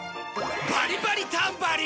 バリバリタンバリン。